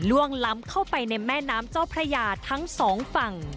ล้ำเข้าไปในแม่น้ำเจ้าพระยาทั้งสองฝั่ง